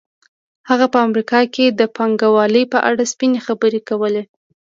هغه په امریکا کې د پانګوالۍ په اړه سپینې خبرې کولې